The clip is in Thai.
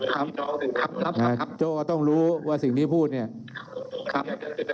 ครับรับได้ครับโจ๊ก็ต้องรู้ว่าสิ่งที่พูดเนี่ยครับ